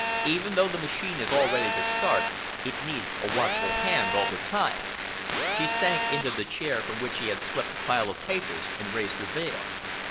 Even though the machine is all ready to start, it needs a watchful hand all the time." She sank into the chair from which he had swept a pile of papers and raised her veil.